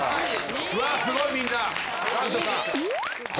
うわすごいみんな。